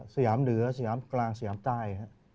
สยามเหนือสยามกลางสยามใต้